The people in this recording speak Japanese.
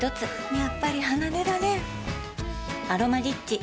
やっぱり離れられん「アロマリッチ」